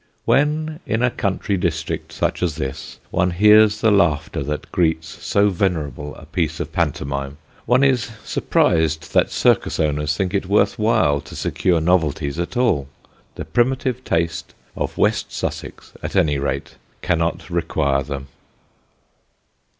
When, in a country district such as this, one hears the laughter that greets so venerable a piece of pantomime, one is surprised that circus owners think it worth while to secure novelties at all. The primitive taste of West Sussex, at any rate, cannot require them.